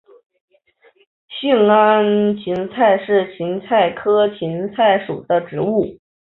兴安堇菜是堇菜科堇菜属的植物。